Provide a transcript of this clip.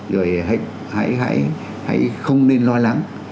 rồi hãy không nên lo lắng